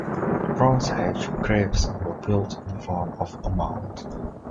The Bronze Age graves were built in the form of a mound.